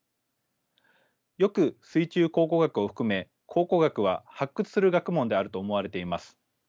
よく水中考古学を含め考古学は発掘する学問であると思われています。